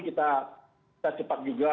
kita cepat juga